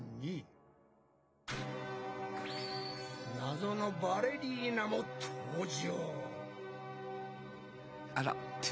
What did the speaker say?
謎のバレリーナも登場！